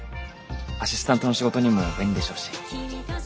アシスタントの仕事にも便利でしょうし。